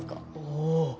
おお。